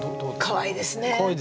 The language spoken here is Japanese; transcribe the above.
かわいいですよね。